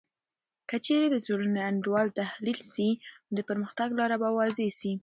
که چیرې د ټولنې انډول تحلیل سي، نو د پرمختګ لاره به واضح سي.